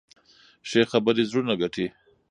ښې خبرې زړونه ګټي.